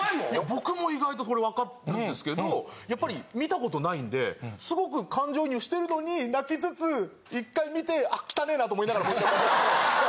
僕も意外とこれわかるんですけどやっぱり見たことないんですごく感情移入してるのに泣きつつ１回見て。と思いながらもう１回戻して。